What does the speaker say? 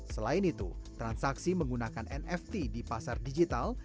selain itu transaksi menggunakan nft di pasar digital